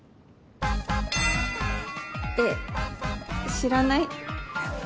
えっ知らない。